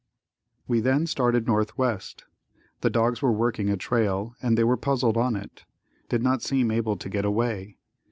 We then started northwest. The dogs were working a trail and they were puzzled on it; did not seem able to get away.